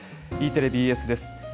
Ｅテレ、ＢＳです。